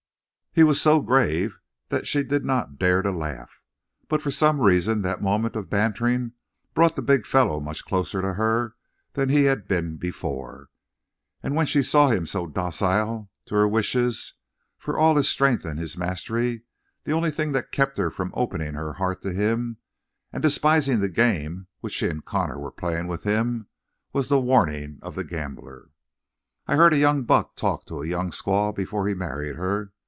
He was so grave that she did not dare to laugh. But for some reason that moment of bantering brought the big fellow much closer to her than he had been before. And when she saw him so docile to her wishes, for all his strength and his mastery, the only thing that kept her from opening her heart to him, and despising the game which she and Connor were playing with him, was the warning of the gambler. "I've heard a young buck talk to a young squaw before he married her.